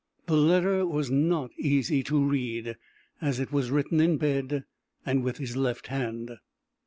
The letter was not easy to read, as it was written in bed, and with his left hand.